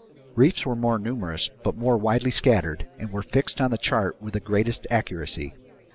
Reefs were still numerous but more widely scattered and were fixed on the chart with the greatest accuracy.